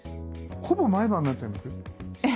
ほぼ毎晩になっちゃいます？